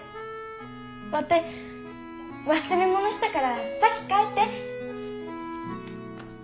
ワテ忘れ物したから先帰って。